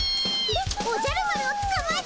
おじゃる丸をつかまえたよ。